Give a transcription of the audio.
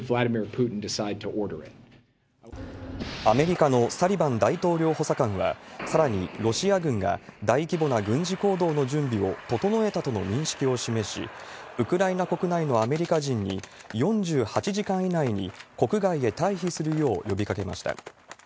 アメリカのサリバン大統領補佐官は、さらにロシア軍が大規模な軍事行動の準備を整えたとの認識を示し、ウクライナ国内のアメリカ人に、４８時間以内に国外へ退避するよう呼びかけました。